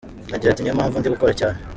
Agira ati “Niyo mpamvu ndi gukora cyane.